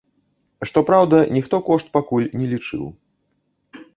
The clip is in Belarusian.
Што праўда, ніхто кошт пакуль не лічыў.